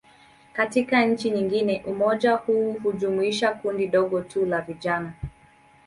Katika nchi nyingine, umoja huu hujumuisha kundi dogo tu la vijana.